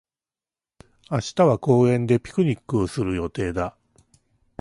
明日は公園でピクニックをする予定だ。